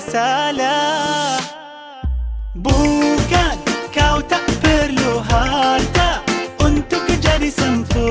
salah bukan kau tak perlu harta untuk kejadian